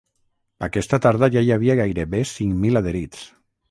Aquesta tarda ja hi havia gairebé cinc mil adherits.